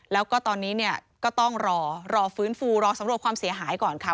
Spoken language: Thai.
แล้วก็ตอนนี้เนี่ยก็ต้องรอรอฟื้นฟูรอสำรวจความเสียหายก่อนค่ะ